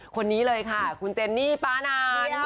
คนนี้เลยค่ะคุณเจนนี่ป๊านาย